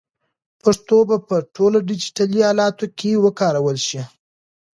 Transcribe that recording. پښتو به په ټولو ډیجیټلي الاتو کې وکارول شي.